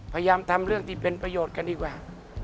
พยายามทำเรื่องที่เป็นประโยชน์กันดีกว่า